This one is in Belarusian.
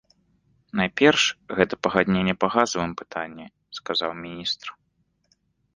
Найперш гэта пагадненне па газавым пытанні, сказаў міністр.